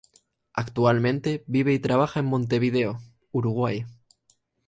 Actualmente vive y trabaja en Montevideo, Uruguay.